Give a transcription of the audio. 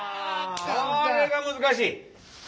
これが難しい！